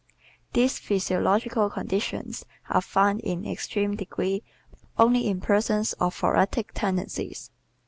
These physiological conditions are found in extreme degree only in persons of thoracic tendencies.